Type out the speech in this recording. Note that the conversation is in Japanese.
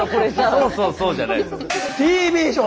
そうそうそうじゃない。